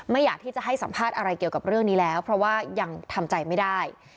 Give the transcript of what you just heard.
อยากที่จะให้สัมภาษณ์อะไรเกี่ยวกับเรื่องนี้แล้วเพราะว่ายังทำใจไม่ได้